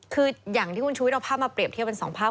คืออย่างที่คุณชุวิตเอาภาพมาเรียบเทียบเป็น๒ภาพ